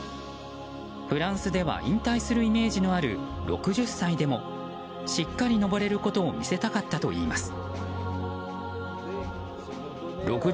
フランスでは引退するイメージのある６０歳でもしっかり登れることを見せたかったといいます。